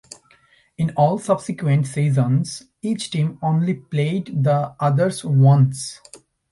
In all subsequent seasons each team only played the others once.